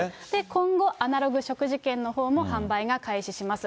今後、アナログ食事券のほうも販売が開始します。